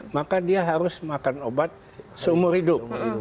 maka dia harus makan obat seumur hidup